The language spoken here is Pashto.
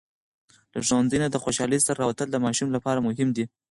له ښوونځي نه د خوشالۍ سره راووتل د ماشوم لپاره مهم دی.